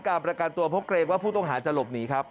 การประกันตัวเพราะเกรงว่าผู้ต้องหาจะหลบหนีครับ